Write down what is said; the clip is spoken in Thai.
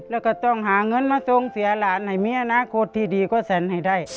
แล้วก็ต้องหาเงินมาทรงเสียหลานให้มีอนาคตที่ดีกว่าแสนให้ได้